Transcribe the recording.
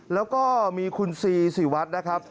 แล้วก็มีคุณซีศรีวัฒน์นะครับ